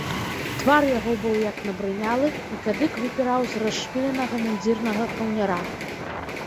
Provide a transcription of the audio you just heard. Твар яго быў як набрынялы, і кадык выпіраў з расшпіленага мундзірнага каўняра.